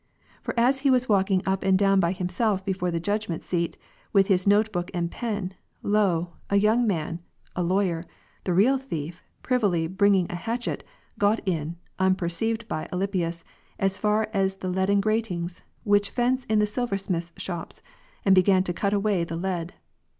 For as he was walking up and down by himself before the judgment seat, with his note book and pen, lo, a young man, a lawyer, the real thief, privily bringing a hatchet, got in, unperceived by Alypius, as far as the leaden gratings, which fence in the silversmiths' shops, and began to cut away the lead.